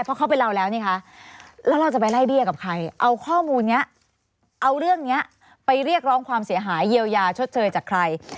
เพราะเขาเป็นเราแล้วนี่คะแล้วเราจะไปไล่เบี้ยกับใครเอาข้อมูลนี้เอาเรื่องนี้ไปเรียกร้องความเสียหายเยียวยาชดเชยจากใคร